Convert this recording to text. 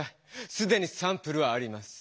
すでにサンプルはあります。